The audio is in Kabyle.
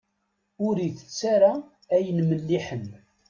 Ur itett ara ayen melliḥen.